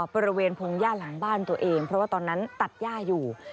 บริเวณพงหญ้าหลังบ้านตัวเองเพราะว่าตอนนั้นตัดย่าอยู่